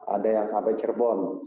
ada yang sampai cirebon